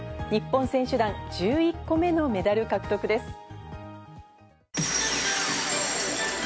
日本選手団１１個目のメダル獲得です。